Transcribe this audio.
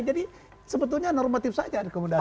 jadi sebetulnya normatif saja rekomendasi